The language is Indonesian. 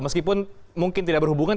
meskipun mungkin tidak berhubungan